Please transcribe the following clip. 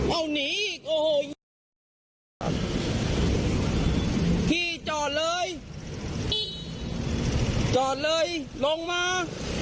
เอานีอีกโอ้โหพี่จอดเลยจอดเลยลงมา